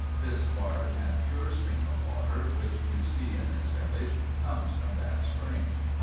This large and pure stream of water, which you see in this village, comes from that spring."